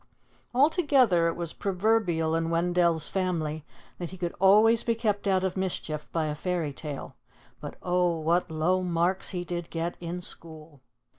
Altogether, it was proverbial in Wendell's family that he could always be kept out of mischief by a fairy tale. But oh! what low marks he did get in school!